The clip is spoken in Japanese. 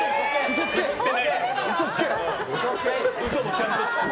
嘘もちゃんとつく。